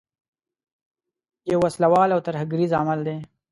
یو وسله وال او ترهګریز عمل دی.